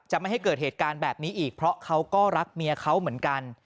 ไม่ให้เกิดเหตุการณ์แบบนี้อีกเพราะเขาก็รักเมียเขาเหมือนกัน